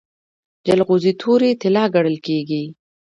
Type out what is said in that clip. جلغوزي تورې طلا ګڼل کیږي.